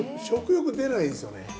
食欲出ないんですよね。